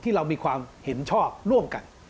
เรามีความเห็นชอบร่วมกัน